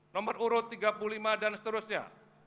nomor urut tiga puluh lima dan seterusnya